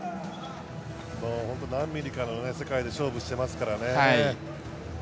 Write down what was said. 何ミリかの世界で勝負していますからね。